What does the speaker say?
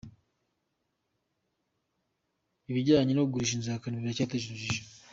Ibijyanye n’igurishwa ry’inzu ya Kanimba biracyateje urujijo